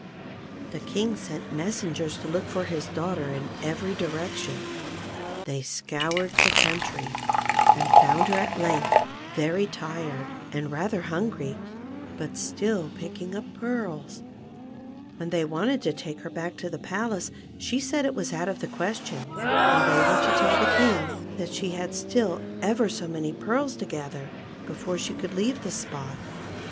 The King sent messengers to look for his daughter in every direction. They scoured the country, and found her at length very tired and rather hungry, 20 THE PEARL FOUNTAIN. but still picking up pearls. When they wanted to take her back to the palace, she said it was out of the ques tion, and they were to tell the King that she had still ever so many pearls to gather before she could leave the spot.